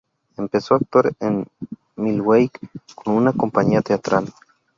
Empezó a actuar en Milwaukee con una compañía teatral.